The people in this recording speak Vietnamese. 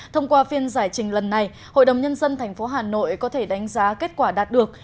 thông qua phiên giải trình lần này hội đồng nhân dân tp hà nội có thể đánh giá kết quả đạt được